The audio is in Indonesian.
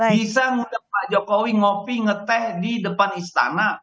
bisa nggak pak jokowi ngopi ngeteh di depan istana